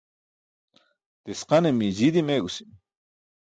Tisqane mii jii dimeegusimi.